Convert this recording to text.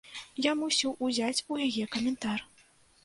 Я мусіў узяць у яе каментар.